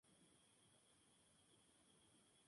Casco Balístico.